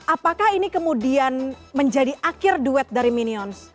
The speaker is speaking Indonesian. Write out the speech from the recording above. apakah ini kemudian menjadi akhir duet dari minions